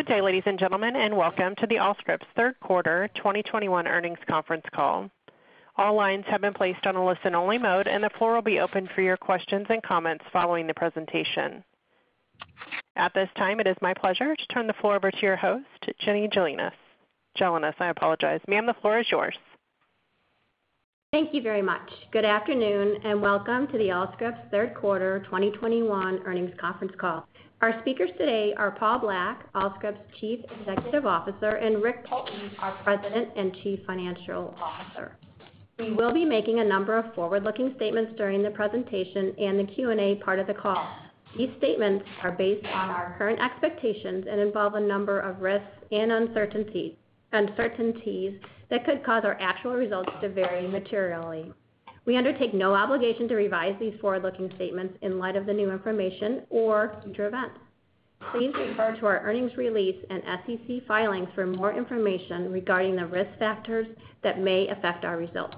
Good day, ladies and gentlemen, and welcome to the Allscripts third quarter 2021 earnings conference call. All lines have been placed on a listen-only mode, and the floor will be open for your questions and comments following the presentation. At this time, it is my pleasure to turn the floor over to your host, Jenny Gelinas. Ma'am, the floor is yours. Thank you very much. Good afternoon, and welcome to the Allscripts third quarter 2021 earnings conference call. Our speakers today are Paul Black, Allscripts Chief Executive Officer, and Rick Poulton, our President and Chief Financial Officer. We will be making a number of forward-looking statements during the presentation and the Q&A part of the call. These statements are based on our current expectations and involve a number of risks and uncertainties that could cause our actual results to vary materially. We undertake no obligation to revise these forward-looking statements in light of the new information or future events. Please refer to our earnings release and SEC filings for more information regarding the risk factors that may affect our results.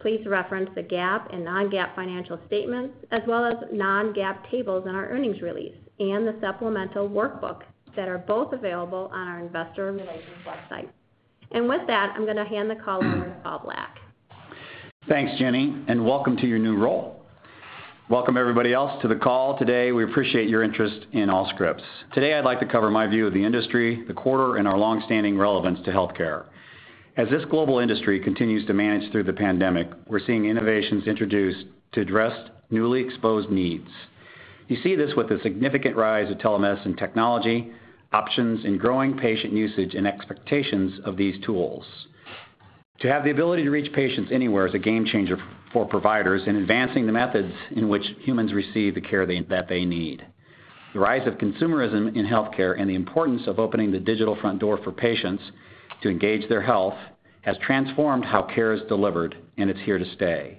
Please reference the GAAP and non-GAAP financial statements, as well as non-GAAP tables in our earnings release and the supplemental workbook that are both available on our investor relations website. With that, I'm gonna hand the call over to Paul Black. Thanks, Jenny, and welcome to your new role. Welcome everybody else to the call today. We appreciate your interest in Allscripts. Today, I'd like to cover my view of the industry, the quarter, and our long-standing relevance to healthcare. As this global industry continues to manage through the pandemic, we're seeing innovations introduced to address newly exposed needs. You see this with a significant rise in telemedicine technology, options, and growing patient usage and expectations of these tools. To have the ability to reach patients anywhere is a game changer for providers in advancing the methods in which humans receive the care that they need. The rise of consumerism in healthcare and the importance of opening the digital front door for patients to engage their health has transformed how care is delivered, and it's here to stay.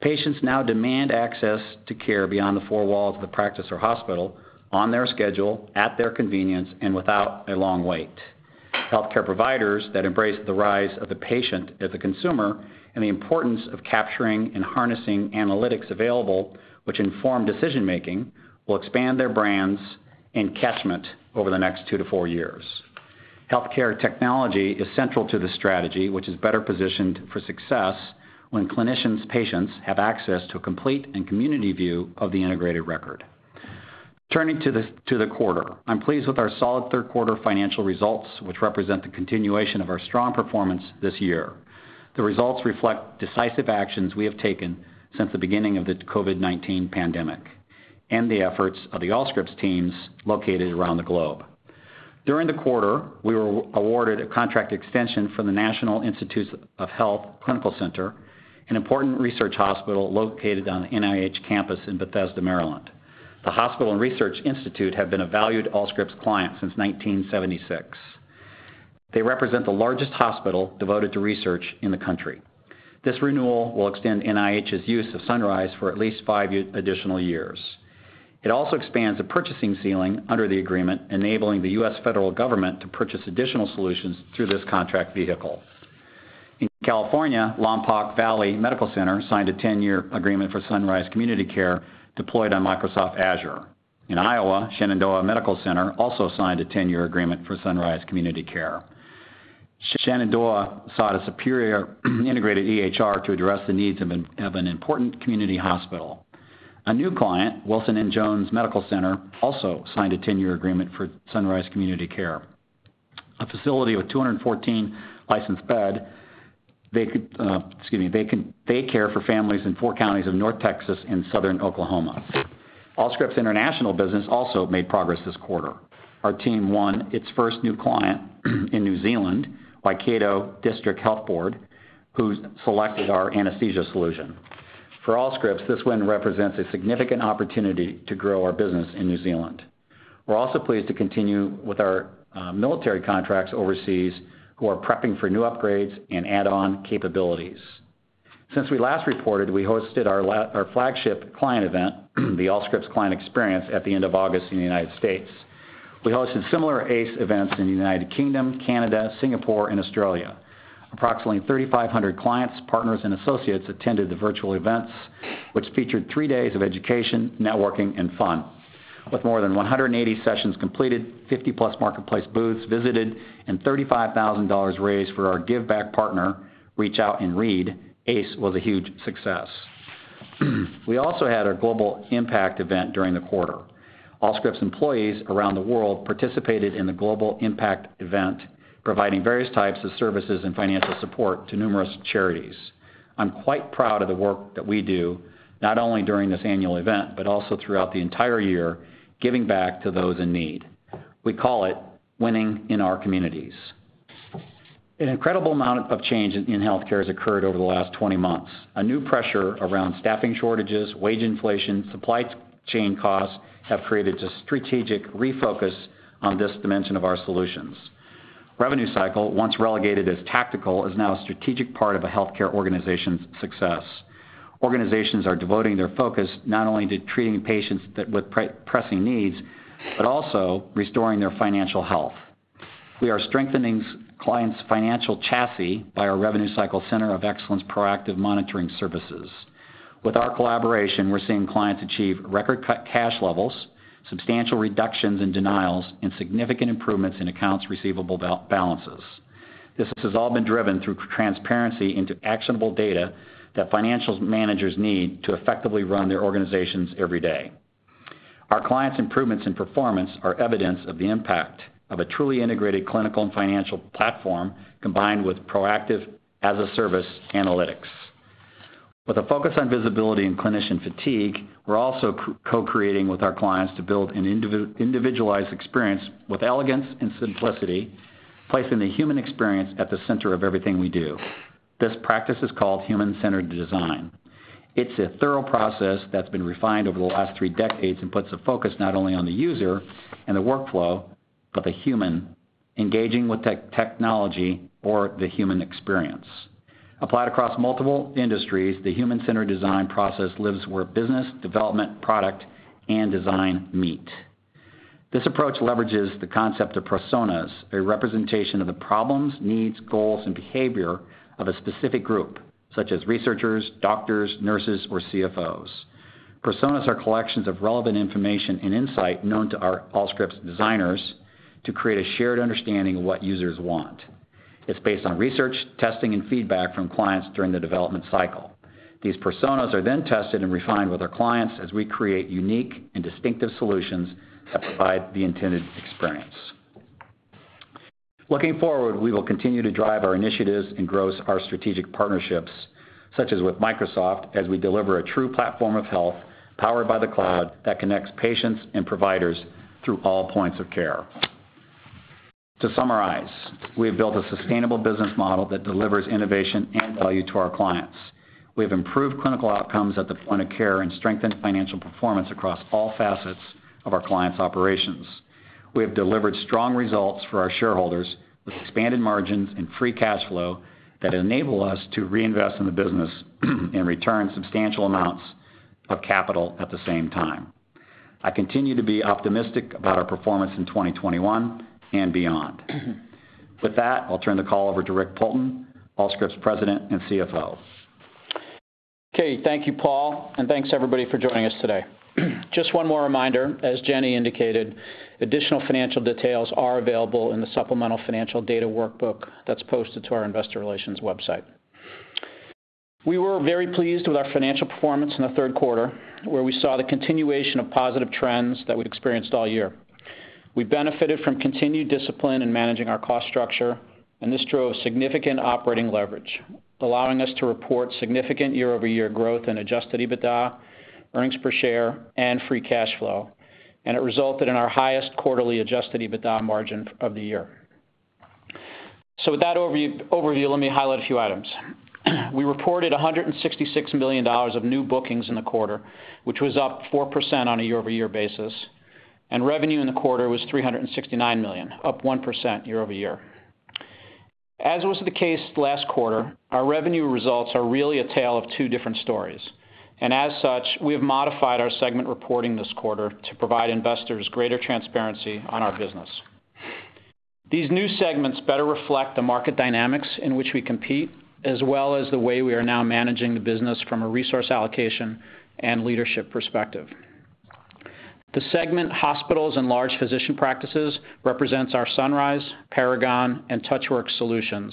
Patients now demand access to care beyond the four walls of the practice or hospital on their schedule, at their convenience, and without a long wait. Healthcare providers that embrace the rise of the patient as a consumer and the importance of capturing and harnessing analytics available which inform decision-making will expand their brands and catchment over the next two to four years. Healthcare technology is central to the strategy, which is better positioned for success when clinicians' patients have access to a complete and community view of the integrated record. Turning to the quarter. I'm pleased with our solid third quarter financial results, which represent the continuation of our strong performance this year. The results reflect decisive actions we have taken since the beginning of the COVID-19 pandemic and the efforts of the Allscripts teams located around the globe. During the quarter, we were awarded a contract extension from the National Institutes of Health Clinical Center, an important research hospital located on the NIH campus in Bethesda, Maryland. The hospital and research institute have been a valued Allscripts client since 1976. They represent the largest hospital devoted to research in the country. This renewal will extend NIH's use of Sunrise for at least five additional years. It also expands a purchasing ceiling under the agreement, enabling the U.S. federal government to purchase additional solutions through this contract vehicle. In California, Lompoc Valley Medical Center signed a 10-year agreement for Sunrise Community Care deployed on Microsoft Azure. In Iowa, Shenandoah Medical Center also signed a 10-year agreement for Sunrise Community Care. Shenandoah Medical Center sought a superior integrated EHR to address the needs of an important community hospital. A new client, Wilson N. Jones Regional Medical Center also signed a 10-year agreement for Sunrise Community Care. A facility with 214 licensed beds, they care for families in four counties of North Texas and Southern Oklahoma. Allscripts' international business also made progress this quarter. Our team won its first new client in New Zealand, Waikato District Health Board, who selected our anesthesia solution. For Allscripts, this win represents a significant opportunity to grow our business in New Zealand. We're also pleased to continue with our military contracts overseas, who are prepping for new upgrades and add-on capabilities. Since we last reported, we hosted our flagship client event, the Allscripts Client Experience, at the end of August in the United States. We hosted similar ACE events in the United Kingdom, Canada, Singapore, and Australia. Approximately 3,500 clients, partners, and associates attended the virtual events, which featured three days of education, networking, and fun. With more than 180 sessions completed, 50+ marketplace booths visited, and $35,000 raised for our give back partner, Reach Out and Read, ACE was a huge success. We also had our global impact event during the quarter. Allscripts employees around the world participated in the global impact event, providing various types of services and financial support to numerous charities. I'm quite proud of the work that we do, not only during this annual event, but also throughout the entire year, giving back to those in need. We call it winning in our communities. An incredible amount of change in healthcare has occurred over the last 20 months. A new pressure around staffing shortages, wage inflation, supply chain costs have created a strategic refocus on this dimension of our solutions. Revenue cycle, once relegated as tactical, is now a strategic part of a healthcare organization's success. Organizations are devoting their focus not only to treating patients with pressing needs, but also restoring their financial health. We are strengthening clients' financial chassis by our revenue cycle center of excellence proactive monitoring services. With our collaboration, we're seeing clients achieve record cash levels, substantial reductions in denials, and significant improvements in accounts receivable balances. This has all been driven through transparency into actionable data that financial managers need to effectively run their organizations every day. Our clients' improvements in performance are evidence of the impact of a truly integrated clinical and financial platform, combined with proactive as-a-service analytics. With a focus on visibility and clinician fatigue, we're also co-creating with our clients to build an individualized experience with elegance and simplicity, placing the human experience at the center of everything we do. This practice is called human-centered design. It's a thorough process that's been refined over the last three decades and puts the focus not only on the user and the workflow, but the human engaging with technology or the human experience. Applied across multiple industries, the human-centered design process lives where business, development, product, and design meet. This approach leverages the concept of personas, a representation of the problems, needs, goals, and behavior of a specific group, such as researchers, doctors, nurses, or CFOs. Personas are collections of relevant information and insight known to our Allscripts designers to create a shared understanding of what users want. It's based on research, testing, and feedback from clients during the development cycle. These personas are then tested and refined with our clients as we create unique and distinctive solutions that provide the intended experience. Looking forward, we will continue to drive our initiatives and grow our strategic partnerships, such as with Microsoft, as we deliver a true platform of health powered by the cloud that connects patients and providers through all points of care. To summarize, we have built a sustainable business model that delivers innovation and value to our clients. We have improved clinical outcomes at the point of care and strengthened financial performance across all facets of our clients' operations. We have delivered strong results for our shareholders with expanded margins and free cash flow that enable us to reinvest in the business and return substantial amounts of capital at the same time. I continue to be optimistic about our performance in 2021 and beyond. With that, I'll turn the call over to Rick Poulton, Allscripts President and CFO. Okay. Thank you, Paul, and thanks everybody for joining us today. Just one more reminder, as Jenny indicated, additional financial details are available in the supplemental financial data workbook that's posted to our investor relations website. We were very pleased with our financial performance in the third quarter, where we saw the continuation of positive trends that we'd experienced all year. We benefited from continued discipline in managing our cost structure, and this drove significant operating leverage, allowing us to report significant year-over-year growth in Adjusted EBITDA, earnings per share, and free cash flow. It resulted in our highest quarterly Adjusted EBITDA margin of the year. With that overview, let me highlight a few items. We reported $166 million of new bookings in the quarter, which was up 4% on a year-over-year basis. Revenue in the quarter was $369 million, up 1% year-over-year. As was the case last quarter, our revenue results are really a tale of two different stories. As such, we have modified our segment reporting this quarter to provide investors greater transparency on our business. These new segments better reflect the market dynamics in which we compete, as well as the way we are now managing the business from a resource allocation and leadership perspective. The Hospitals and Large Physician Practices segment represents our Sunrise, Paragon, and TouchWorks solutions,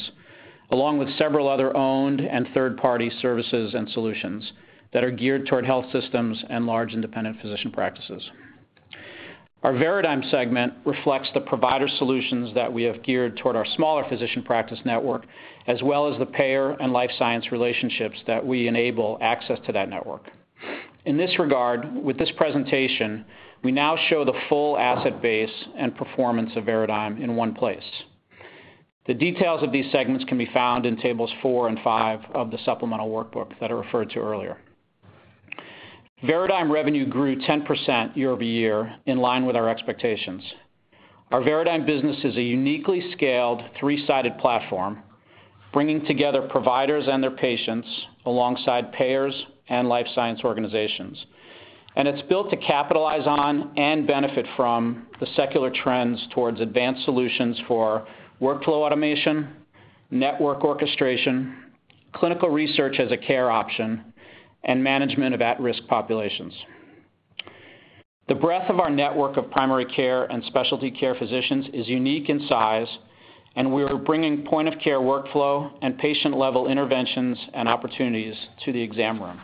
along with several other owned and third-party services and solutions that are geared toward health systems and large independent physician practices. Our Veradigm segment reflects the provider solutions that we have geared toward our smaller physician practice network, as well as the payer and life science relationships that we enable access to that network. In this regard, with this presentation, we now show the full asset base and performance of Veradigm in one place. The details of these segments can be found in tables four and five of the supplemental workbook that I referred to earlier. Veradigm revenue grew 10% year-over-year in line with our expectations. Our Veradigm business is a uniquely scaled three-sided platform, bringing together providers and their patients alongside payers and life science organizations. It's built to capitalize on and benefit from the secular trends towards advanced solutions for workflow automation, network orchestration, clinical research as a care option, and management of at-risk populations. The breadth of our network of primary care and specialty care physicians is unique in size, and we are bringing point-of-care workflow and patient-level interventions and opportunities to the exam room.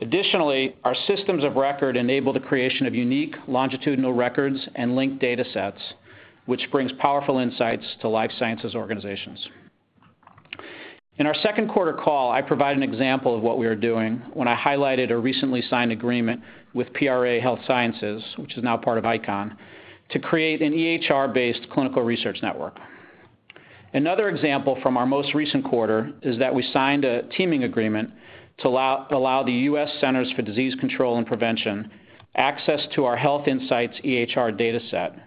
Additionally, our systems of record enable the creation of unique longitudinal records and linked datasets, which brings powerful insights to life sciences organizations. In our second quarter call, I provided an example of what we are doing when I highlighted a recently signed agreement with PRA Health Sciences, which is now part of ICON, to create an EHR-based clinical research network. Another example from our most recent quarter is that we signed a teaming agreement to allow the U.S. Centers for Disease Control and Prevention access to our Health Insights EHR dataset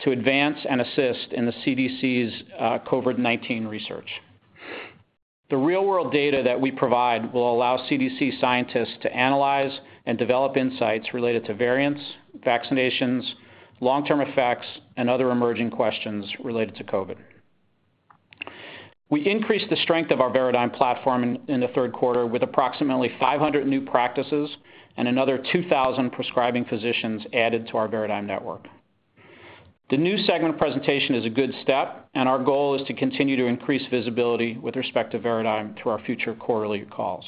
to advance and assist in the CDC's COVID-19 research. The real-world data that we provide will allow CDC scientists to analyze and develop insights related to variants, vaccinations, long-term effects, and other emerging questions related to COVID-19. We increased the strength of our Veradigm platform in the third quarter with approximately 500 new practices and another 2,000 prescribing physicians added to our Veradigm network. The new segment presentation is a good step, and our goal is to continue to increase visibility with respect to Veradigm through our future quarterly calls.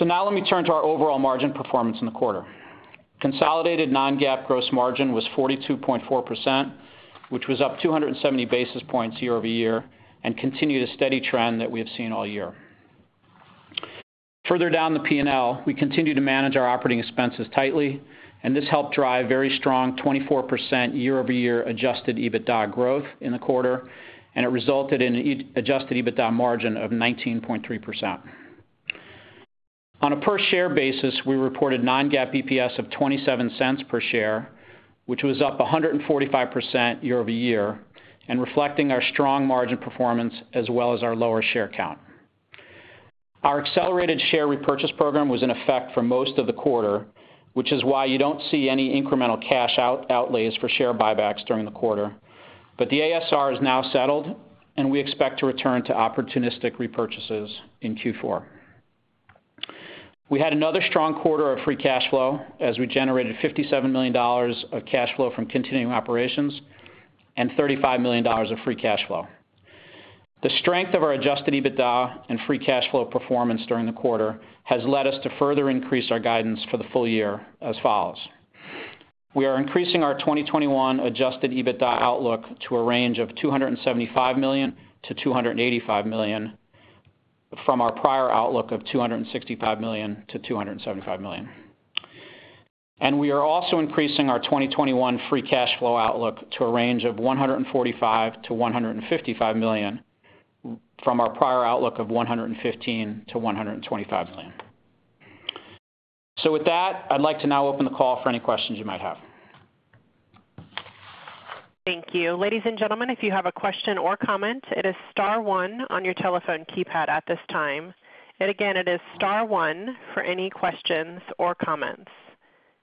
Now let me turn to our overall margin performance in the quarter. Consolidated non-GAAP gross margin was 42.4%, which was up 270 basis points year-over-year and continued a steady trend that we have seen all year. Further down the P&L, we continue to manage our operating expenses tightly, and this helped drive very strong 24% year-over-year Adjusted EBITDA growth in the quarter, and it resulted in Adjusted EBITDA margin of 19.3%. On a per share basis, we reported non-GAAP EPS of $0.27 per share, which was up 145% year-over-year, and reflecting our strong margin performance as well as our lower share count. Our accelerated share repurchase program was in effect for most of the quarter, which is why you don't see any incremental cash outlays for share buybacks during the quarter. The ASR is now settled, and we expect to return to opportunistic repurchases in Q4. We had another strong quarter of free cash flow as we generated $57 million of cash flow from continuing operations and $35 million of free cash flow. The strength of our Adjusted EBITDA and free cash flow performance during the quarter has led us to further increase our guidance for the full year as follows. We are increasing our 2021 Adjusted EBITDA outlook to a range of $275 million-$285 million from our prior outlook of $265 million-$275 million. We are also increasing our 2021 free cash flow outlook to a range of $145 million-$155 million from our prior outlook of $115 million-$125 million. With that, I'd like to now open the call for any questions you might have. Thank you. Ladies and gentlemen, if you have a question or comment, it is star one on your telephone keypad at this time. Again, it is star one for any questions or comments.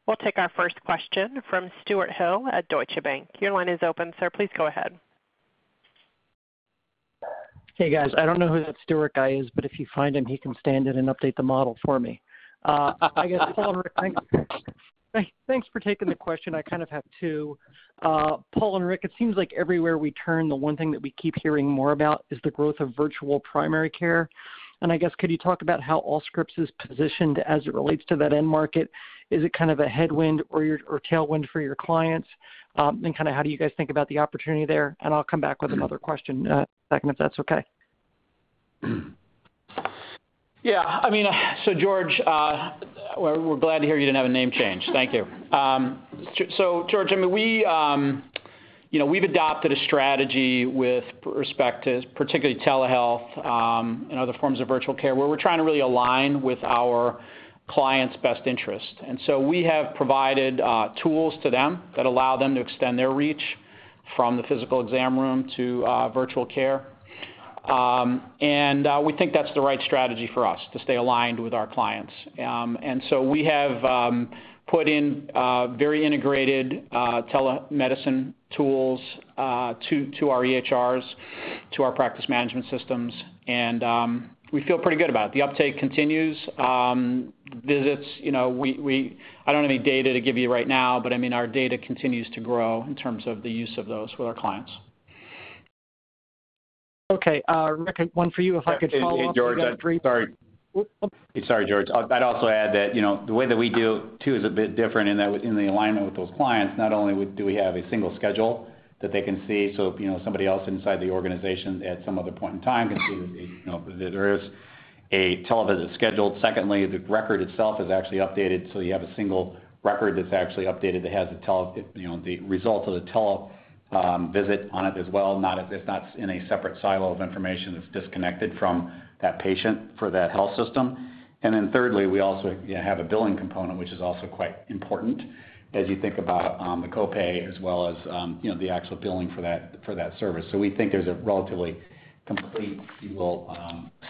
We'll take our first question from George Hill at Deutsche Bank. Your line is open, sir. Please go ahead. Hey, guys. I don't know who that Stuart guy is, but if you find him, he can stand in and update the model for me. I guess, Paul, thanks for taking the question. I kind of have two. Paul and Rick, it seems like everywhere we turn, the one thing that we keep hearing more about is the growth of virtual primary care. I guess, could you talk about how Allscripts is positioned as it relates to that end market? Is it kind of a headwind or tailwind for your clients? Kinda how do you guys think about the opportunity there? I'll come back with another question, second, if that's okay. Yeah. I mean, George, we're glad to hear you didn't have a name change. Thank you. George, I mean, you know, we've adopted a strategy with respect to particularly telehealth and other forms of virtual care, where we're trying to really align with our clients' best interest. We have provided tools to them that allow them to extend their reach from the physical exam room to virtual care. We think that's the right strategy for us to stay aligned with our clients. We have put in very integrated telemedicine tools to our EHRs, to our practice management systems, and we feel pretty good about it. The uptake continues. visits, you know, I don't have any data to give you right now, but I mean, our data continues to grow in terms of the use of those with our clients. Okay, Rick, one for you, if I could follow up. George, sorry. Oops. Sorry, George. I'd also add that, you know, the way that we do too is a bit different in that within the alignment with those clients, not only do we have a single schedule that they can see, so if, you know, somebody else inside the organization at some other point in time can see that there's a, you know, there is a telemedicine scheduled. Secondly, the record itself is actually updated, so you have a single record that's actually updated that has a tele, you know, the result of the tele visit on it as well, not as it's not in a separate silo of information that's disconnected from that patient for that health system. Then thirdly, we also, you know, have a billing component, which is also quite important as you think about the copay as well as you know, the actual billing for that service. We think there's a relatively complete, if you will,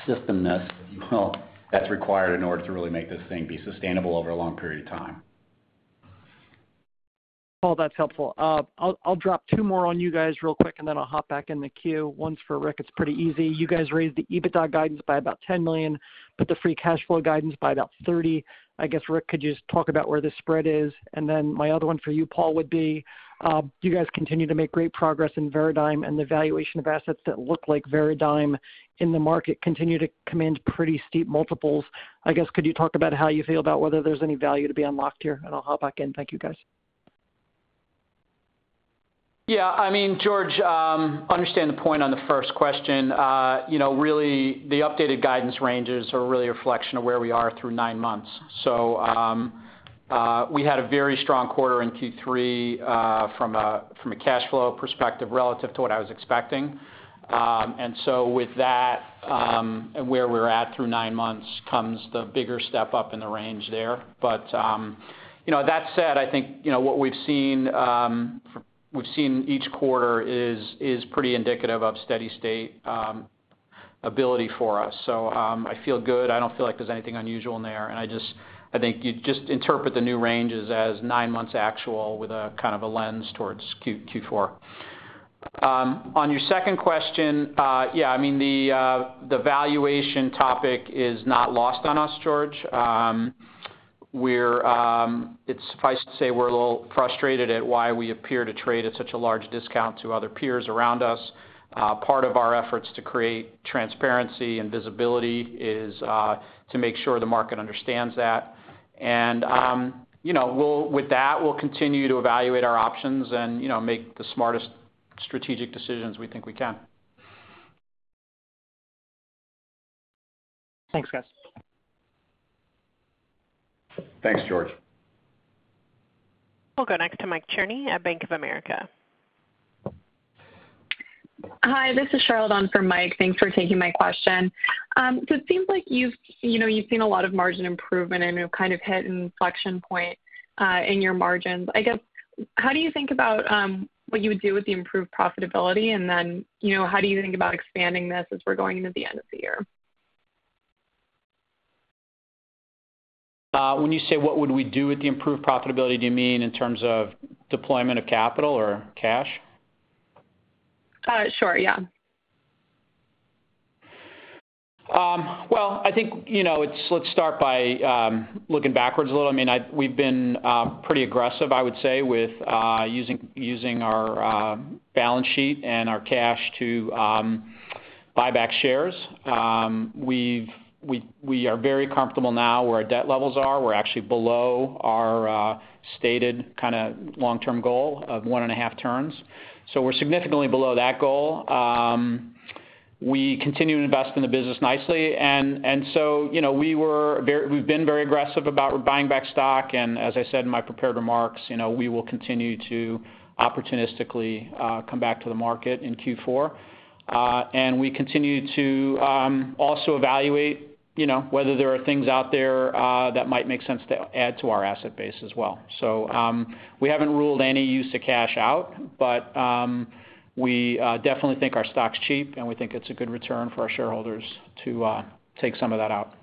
system that's required in order to really make this thing be sustainable over a long period of time. Paul, that's helpful. I'll drop two more on you guys real quick, and then I'll hop back in the queue. One's for Rick. It's pretty easy. You guys raised the EBITDA guidance by about $10 million, but the free cash flow guidance by about $30 million. I guess, Rick, could you just talk about where the spread is? My other one for you, Paul, would be, you guys continue to make great progress in Veradigm, and the valuation of assets that look like Veradigm in the market continue to command pretty steep multiples. I guess, could you talk about how you feel about whether there's any value to be unlocked here? I'll hop back in. Thank you, guys. Yeah, I mean, George, I understand the point on the first question. Really the updated guidance ranges are really a reflection of where we are through nine months. We had a very strong quarter in Q3 from a cash flow perspective relative to what I was expecting. With that and where we're at through nine months comes the bigger step up in the range there. That said, I think what we've seen each quarter is pretty indicative of steady state ability for us. I feel good. I don't feel like there's anything unusual in there. I just think you just interpret the new ranges as nine months actual with a kind of a lens towards Q4. On your second question, yeah, I mean, the valuation topic is not lost on us, George. Suffice it to say we're a little frustrated at why we appear to trade at such a large discount to other peers around us. Part of our efforts to create transparency and visibility is to make sure the market understands that. You know, with that, we'll continue to evaluate our options and, you know, make the smartest strategic decisions we think we can. Thanks, guys. Thanks, George. We'll go next to Mike Cherny at Bank of America. Hi, this is Charlotte on for Mike. Thanks for taking my question. It seems like you've, you know, you've seen a lot of margin improvement and you've kind of hit an inflection point in your margins. I guess, how do you think about what you would do with the improved profitability? You know, how do you think about expanding this as we're going into the end of the year? When you say, what would we do with the improved profitability, do you mean in terms of deployment of capital or cash? Sure, yeah. Well, I think, you know, it's. Let's start by looking backwards a little. I mean, we've been pretty aggressive, I would say, with using our balance sheet and our cash to buy back shares. We are very comfortable now where our debt levels are. We're actually below our stated kind of long-term goal of 1.5 turns. We're significantly below that goal. We continue to invest in the business nicely, and so, you know, we've been very aggressive about buying back stock. As I said in my prepared remarks, you know, we will continue to opportunistically come back to the market in Q4. We continue to also evaluate, you know, whether there are things out there that might make sense to add to our asset base as well. We haven't ruled any use of cash out, but we definitely think our stock's cheap, and we think it's a good return for our shareholders to take some of that out.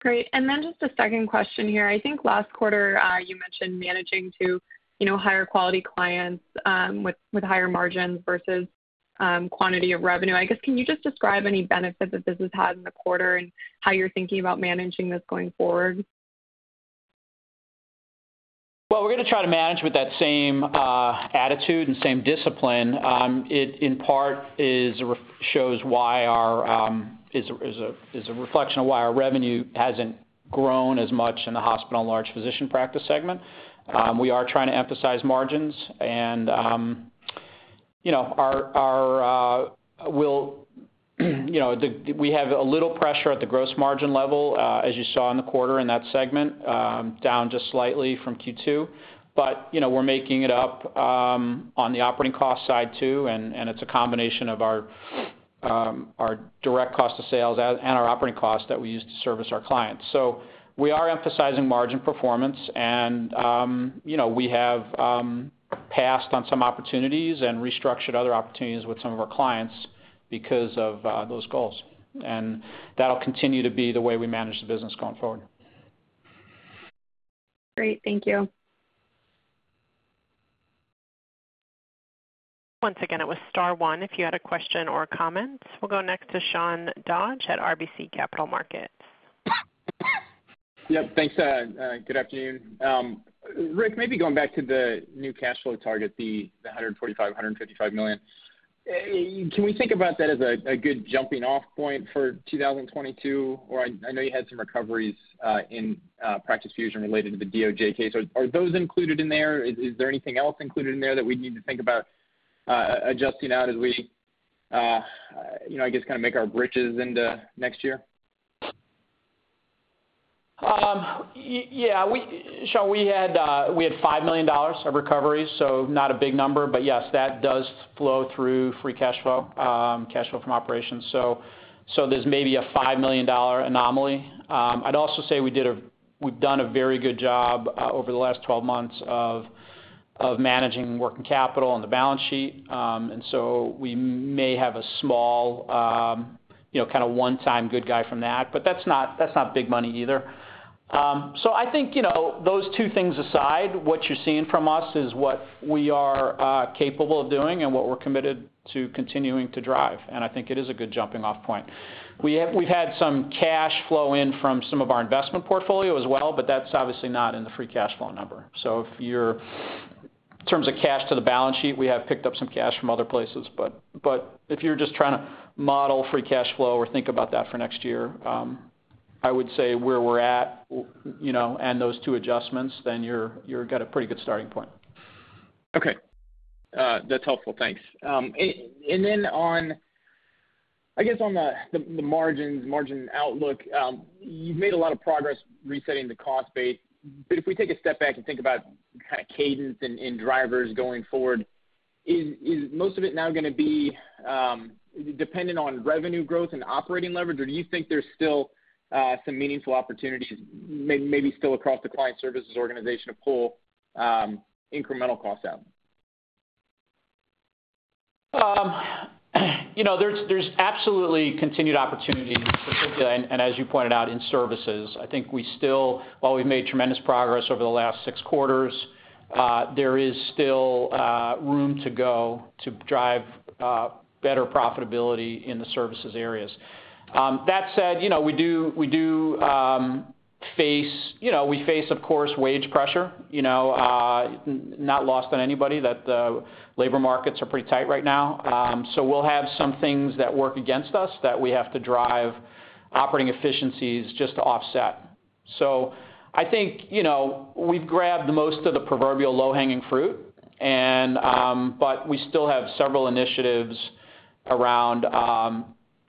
Great. Just a second question here. I think last quarter, you mentioned managing to, you know, higher quality clients, with higher margins versus, quantity of revenue. I guess, can you just describe any benefit that this has had in the quarter and how you're thinking about managing this going forward? Well, we're gonna try to manage with that same attitude and same discipline. It, in part, is a reflection of why our revenue hasn't grown as much in the Hospitals and Large Physician Practice segment. We are trying to emphasize margins and, you know, we have a little pressure at the gross margin level, as you saw in the quarter in that segment, down just slightly from Q2. You know, we're making it up on the operating cost side, too, and it's a combination of our direct cost of sales and our operating costs that we use to service our clients. We are emphasizing margin performance and, you know, we have passed on some opportunities and restructured other opportunities with some of our clients because of those goals. That'll continue to be the way we manage the business going forward. Great. Thank you. Once again, it was star one if you had a question or comment. We'll go next to Sean Dodge at RBC Capital Markets. Yep. Thanks. Good afternoon. Rick, maybe going back to the new cash flow target, the $145 million-$155 million. Can we think about that as a good jumping off point for 2022? Or I know you had some recoveries in Practice Fusion related to the DOJ case. Are those included in there? Is there anything else included in there that we need to think about adjusting out as we you know I guess kind of make our bridges into next year? Yeah, Sean, we had $5 million of recovery, so not a big number, but yes, that does flow through free cash flow, cash flow from operations. So there's maybe a $5 million anomaly. I'd also say we've done a very good job over the last 12 months of managing working capital on the balance sheet. We may have a small, you know, kind of one-time good guy from that. But that's not big money either. I think, you know, those two things aside, what you're seeing from us is what we are capable of doing and what we're committed to continuing to drive. I think it is a good jumping off point. We've had some cash flow in from some of our investment portfolio as well, but that's obviously not in the free cash flow number. In terms of cash to the balance sheet, we have picked up some cash from other places. If you're just trying to model free cash flow or think about that for next year, I would say where we're at, you know, and those two adjustments, then you're got a pretty good starting point. Okay. That's helpful. Thanks. Then on, I guess, on the margins, margin outlook, you've made a lot of progress resetting the cost base. If we take a step back and think about kind of cadence and drivers going forward. Is most of it now gonna be dependent on revenue growth and operating leverage? Or do you think there's still some meaningful opportunities maybe still across the client services organization to pull incremental costs out? You know, there's absolutely continued opportunity, particularly and as you pointed out, in services. I think while we've made tremendous progress over the last six quarters, there is still room to go to drive better profitability in the services areas. That said, you know, we do face, of course, wage pressure, you know. Not lost on anybody that the labor markets are pretty tight right now. We'll have some things that work against us that we have to drive operating efficiencies just to offset. I think, you know, we've grabbed most of the proverbial low-hanging fruit and, but we still have several initiatives around,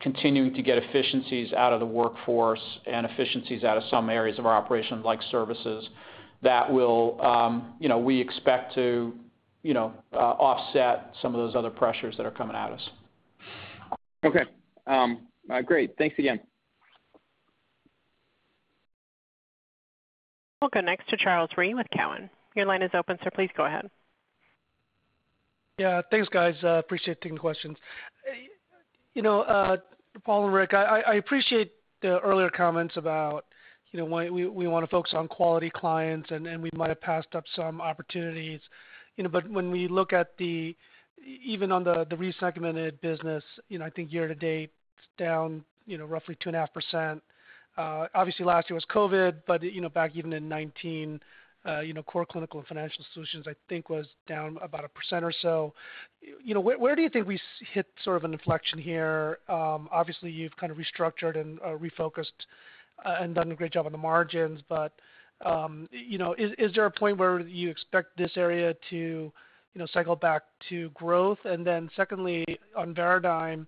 continuing to get efficiencies out of the workforce and efficiencies out of some areas of our operations like services that will, you know, we expect to, you know, offset some of those other pressures that are coming at us. Okay. Great. Thanks again. We'll go next to Charles Rhyee with Cowen. Your line is open, sir. Please go ahead. Yeah. Thanks, guys. Appreciate taking questions. You know, Paul and Rick, I appreciate the earlier comments about, you know, why we wanna focus on quality clients and we might have passed up some opportunities, you know. But when we look at even on the re-segmented business, you know, I think year-to-date, it's down, you know, roughly 2.5%. Obviously last year was COVID-19, but, you know, back even in 2019, you know, Core Clinical and Financial Solutions I think was down about 1% or so. You know, where do you think we hit sort of an inflection here? Obviously, you've kind of restructured and refocused and done a great job on the margins. You know, is there a point where you expect this area to, you know, cycle back to growth? Then secondly, on Veradigm,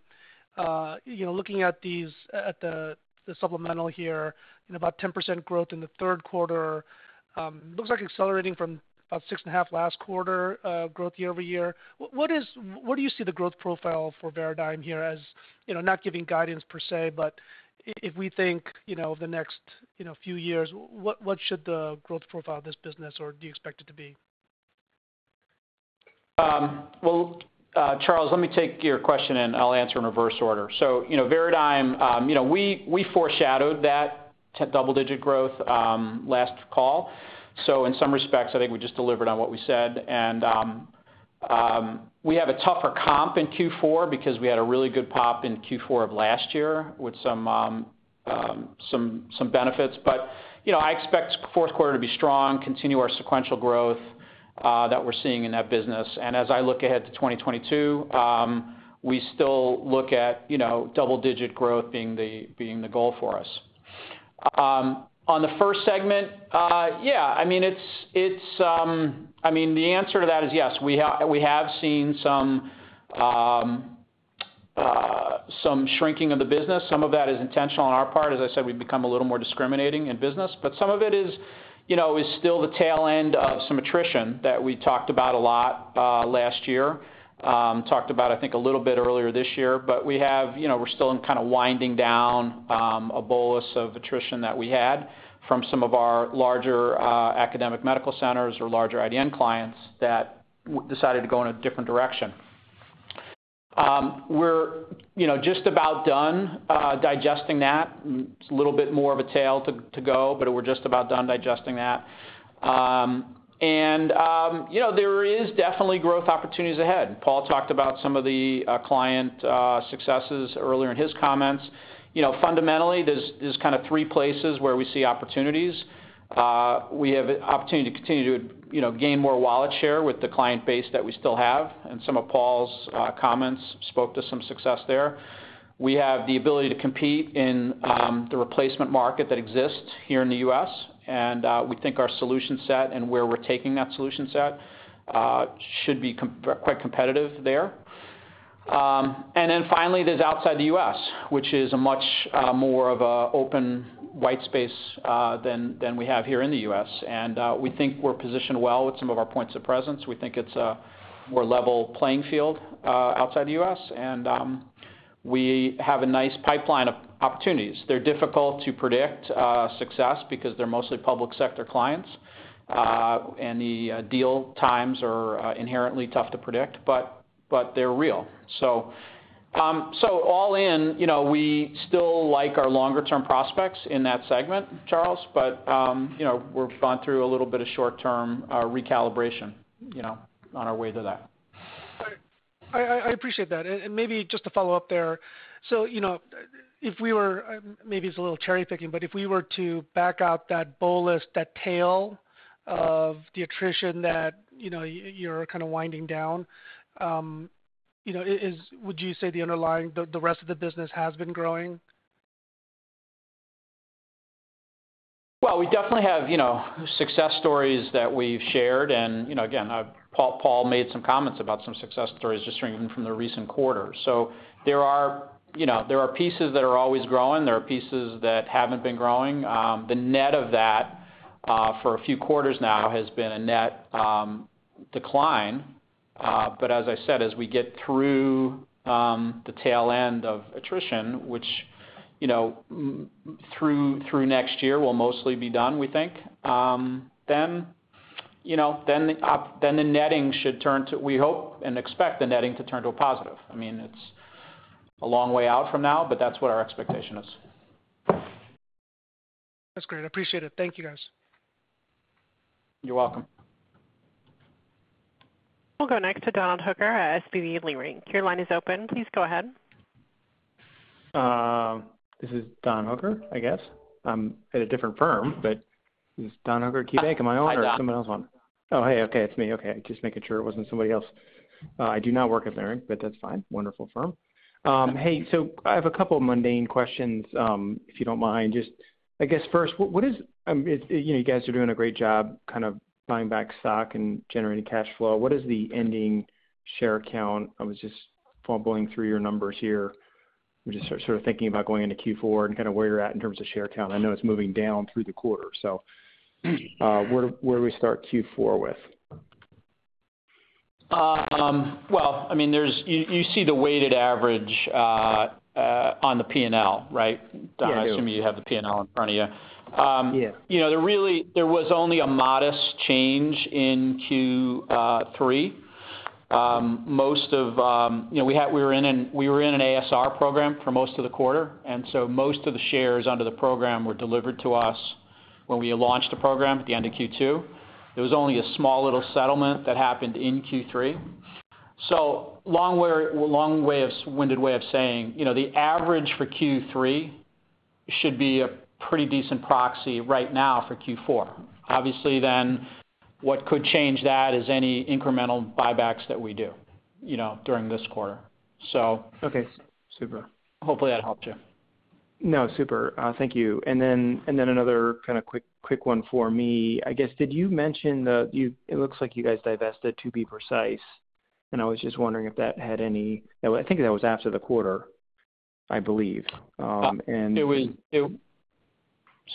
you know, looking at these at the supplemental here and about 10% growth in the third quarter, looks like accelerating from about 6.5% last quarter, growth year-over-year. What do you see the growth profile for Veradigm here as, you know, not giving guidance per se, but if we think, you know, over the next, you know, few years, what should the growth profile of this business or do you expect it to be? Well, Charles, let me take your question, and I'll answer in reverse order. You know, Veradigm, you know, we foreshadowed that double-digit growth last call. In some respects, I think we just delivered on what we said. We have a tougher comp in Q4 because we had a really good pop in Q4 of last year with some benefits. You know, I expect fourth quarter to be strong, continue our sequential growth that we're seeing in that business. As I look ahead to 2022, we still look at, you know, double-digit growth being the goal for us. On the first segment, yeah, I mean, it's, I mean, the answer to that is yes. We have seen some shrinking of the business. Some of that is intentional on our part. As I said, we've become a little more discriminating in business. Some of it is still the tail end of some attrition that we talked about a lot last year, I think a little bit earlier this year. We're still kinda winding down a bolus of attrition that we had from some of our larger academic medical centers or larger IDN clients that decided to go in a different direction. We're just about done digesting that. It's a little bit more of a tail to go, but we're just about done digesting that. There is definitely growth opportunities ahead. Paul talked about some of the client successes earlier in his comments. You know, fundamentally, there's kind of three places where we see opportunities. We have opportunity to continue to, you know, gain more wallet share with the client base that we still have, and some of Paul's comments spoke to some success there. We have the ability to compete in the replacement market that exists here in the U.S., and we think our solution set and where we're taking that solution set should be quite competitive there. Then finally, there's outside the U.S., which is a much more of an open white space than we have here in the U.S. We think we're positioned well with some of our points of presence. We think it's a more level playing field outside the U.S., and we have a nice pipeline of opportunities. They're difficult to predict success because they're mostly public sector clients, and the deal times are inherently tough to predict, but they're real. All in, you know, we still like our longer-term prospects in that segment, Charles, but you know, we've gone through a little bit of short-term recalibration, you know, on our way to that. I appreciate that. Maybe just to follow up there. You know, if we were maybe it's a little cherry-picking, but if we were to back out that bolus, that tail of the attrition that you know you're kinda winding down, you know, would you say the underlying, the rest of the business has been growing? Well, we definitely have, you know, success stories that we've shared, and, you know, again, Paul made some comments about some success stories just even from the recent quarter. There are, you know, pieces that are always growing. There are pieces that haven't been growing. The net of that for a few quarters now has been a net decline, but as I said, as we get through the tail end of attrition, which, you know, through next year will mostly be done, we think, then, you know, we hope and expect the netting to turn to a positive. I mean, it's a long way out from now, but that's what our expectation is. That's great. I appreciate it. Thank you, guys. You're welcome. We'll go next to Don Hooker at SVB Leerink. Your line is open. Please go ahead. This is Don Hooker, I guess. I'm at a different firm, but this is Don Hooker at KeyBanc. Am I on- Hi, Don. ...or someone else on? Oh, hey. Okay, it's me. Okay, just making sure it wasn't somebody else. I do not work at Leerink, but that's fine. Wonderful firm. Hey, so I have a couple mundane questions, if you don't mind. Just, I guess, first, what is, you know, you guys are doing a great job kind of buying back stock and generating cash flow. What is the ending share count? I was just fumbling through your numbers here. I'm just sort of thinking about going into Q4 and kinda where you're at in terms of share count. I know it's moving down through the quarter. Where do we start Q4 with? Well, I mean, you see the weighted average on the P&L, right, Don? Yeah, I do. I'm assuming you have the P&L in front of you. Yeah. You know, there really was only a modest change in Q3. Most of, you know, we were in an ASR program for most of the quarter, and so most of the shares under the program were delivered to us when we launched the program at the end of Q2. There was only a small little settlement that happened in Q3. Long-winded way of saying, you know, the average for Q3 should be a pretty decent proxy right now for Q4. Obviously, then what could change that is any incremental buybacks that we do, you know, during this quarter. Okay, super. Hopefully, that helped you. No, super. Thank you. Another kinda quick one for me, I guess. It looks like you guys divested, to be precise, and I was just wondering if that had any. I think that was after the quarter, I believe, and...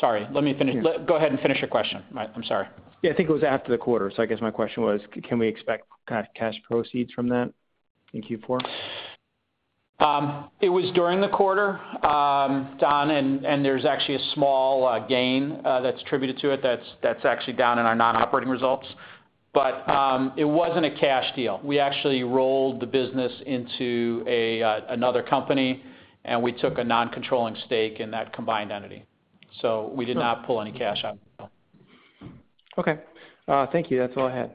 Sorry, let me finish. Go ahead and finish your question. I'm sorry. Yeah, I think it was after the quarter. I guess my question was, can we expect cash proceeds from that in Q4? It was during the quarter, Don, and there's actually a small gain that's attributed to it that's actually down in our non-operating results. It wasn't a cash deal. We actually rolled the business into another company, and we took a non-controlling stake in that combined entity. We did not pull any cash out, no. Okay. Thank you. That's all I had.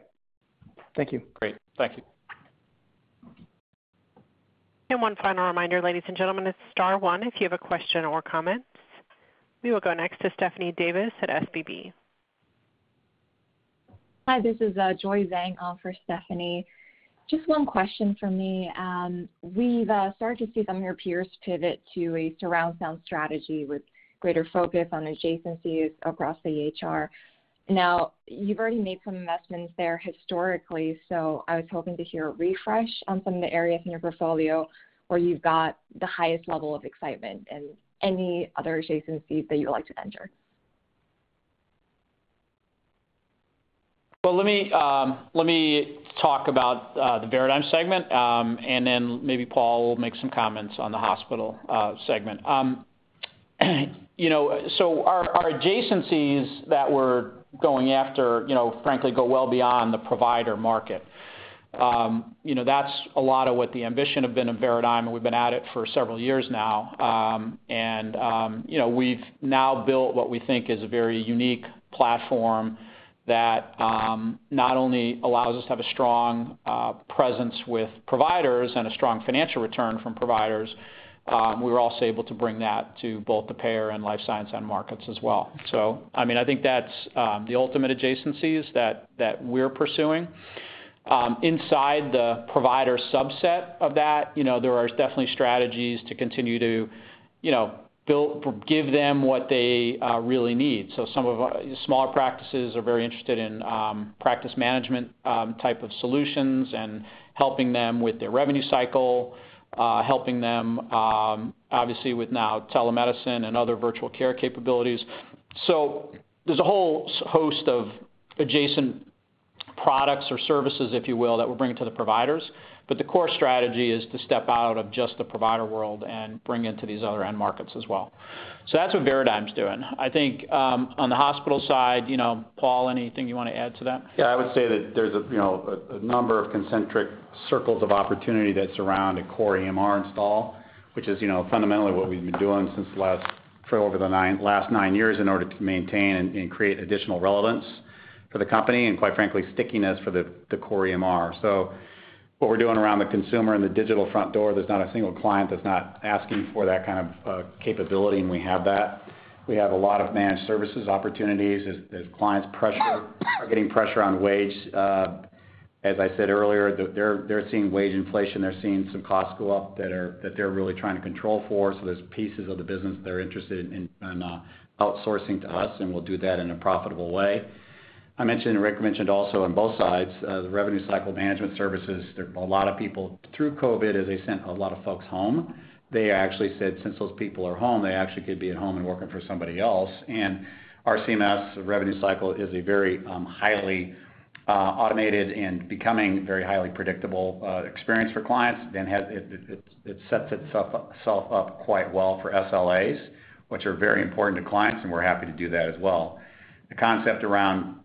Thank you. Great. Thank you. One final reminder, ladies and gentlemen, it's star one if you have a question or comments. We will go next to Stephanie Davis at SVB. Hi, this is Joy Zhang for Stephanie. Just one question from me. We've started to see some of your peers pivot to a surround sound strategy with greater focus on adjacencies across the EHR. Now, you've already made some investments there historically, so I was hoping to hear a refresh on some of the areas in your portfolio where you've got the highest level of excitement and any other adjacencies that you would like to enter. Well, let me talk about the Veradigm segment, and then maybe Paul will make some comments on the Hospitals and Large Physician Practices segment. You know, our adjacencies that we're going after, you know, frankly go well beyond the provider market. You know, that's a lot of what the ambition have been of Veradigm. We've been at it for several years now, and, you know, we've now built what we think is a very unique platform that, not only allows us to have a strong presence with providers and a strong financial return from providers, we're also able to bring that to both the payer and life science end markets as well. I mean, I think that's the ultimate adjacencies that we're pursuing. Inside the provider subset of that, you know, there are definitely strategies to continue to give them what they really need. Some of our smaller practices are very interested in practice management type of solutions and helping them with their revenue cycle, helping them obviously with now telemedicine and other virtual care capabilities. There's a whole host of adjacent products or services, if you will, that we're bringing to the providers. The core strategy is to step out of just the provider world and bring into these other end markets as well. That's what Veradigm's doing. I think on the Hospitals and Large Physician Practices side, you know, Paul, anything you wanna add to that? Yeah, I would say that there's you know a number of concentric circles of opportunity that surround a core EMR install, which is you know fundamentally what we've been doing for over the last nine years in order to maintain and create additional relevance for the company and quite frankly stickiness for the core EMR. What we're doing around the consumer and the digital front door, there's not a single client that's not asking for that kind of capability, and we have that. We have a lot of managed services opportunities as clients are getting pressure on wage. As I said earlier, they're seeing wage inflation. They're seeing some costs go up that they're really trying to control for. There're pieces of the business they're interested in outsourcing to us, and we'll do that in a profitable way. I mentioned, and Rick mentioned also on both sides, the revenue cycle management services. A lot of people through COVID-19, as they sent a lot of folks home, they actually said, since those people are home, they actually could be at home and working for somebody else. RCMS revenue cycle is a very highly automated and becoming very highly predictable experience for clients. Then it sets itself up quite well for SLAs, which are very important to clients, and we're happy to do that as well. The concept around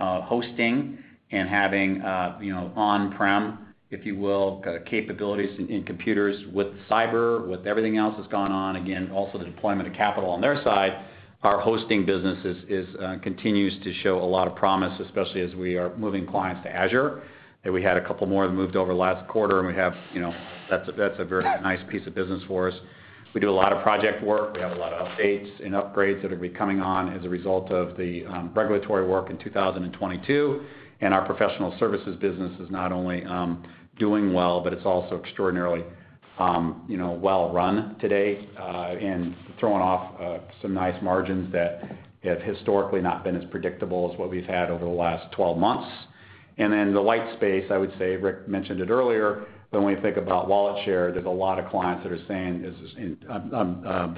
hosting and having on-prem, if you will, kind of capabilities in computers with cyber, with everything else that's gone on. Again, also the deployment of capital on their side. Our hosting business continues to show a lot of promise, especially as we are moving clients to Microsoft Azure, that we had a couple more of them moved over last quarter, and we have, you know, that's a very nice piece of business for us. We do a lot of project work. We have a lot of updates and upgrades that are coming on as a result of the regulatory work in 2022. Our professional services business is not only doing well, but it's also extraordinarily, you know, well run today, and throwing off some nice margins that have historically not been as predictable as what we've had over the last 12 months. The white space, I would say, Rick mentioned it earlier, but when we think about wallet share, there's a lot of clients that are saying they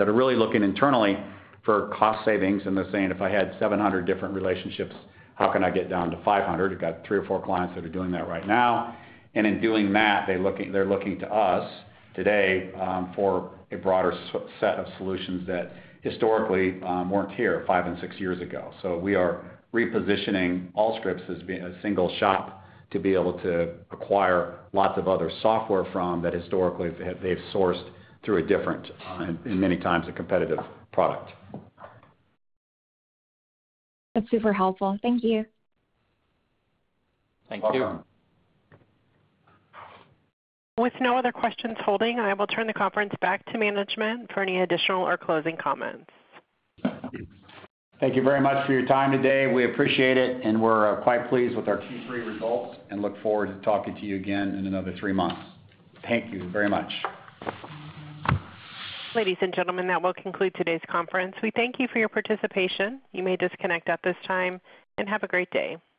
are really looking internally for cost savings, and they're saying, "If I had 700 different relationships, how can I get down to 500?" We've got three or four clients that are doing that right now. In doing that, they're looking to us today for a broader set of solutions that historically weren't here five and six years ago. We are repositioning Allscripts as being a single shop to be able to acquire lots of other software from that historically they've sourced through a different and many times a competitive product. That's super helpful. Thank you. Thank you. You're welcome. With no other questions holding, I will turn the conference back to management for any additional or closing comments. Thank you very much for your time today. We appreciate it, and we're quite pleased with our Q3 results and look forward to talking to you again in another three months. Thank you very much. Ladies and gentlemen, that will conclude today's conference. We thank you for your participation. You may disconnect at this time, and have a great day.